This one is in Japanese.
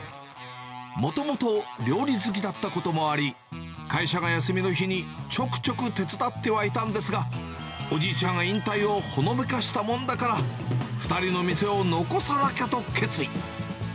もともと料理好きだったこともあり、会社が休みの日に、ちょくちょく手伝ってはいたんですが、おじいちゃんが引退をほのめかしたもんだから、２人の店を残さなきゃと決意。